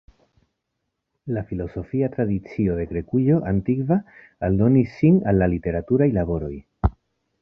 La filozofia tradicio de Grekujo antikva aldonis sin al la literaturaj laboroj.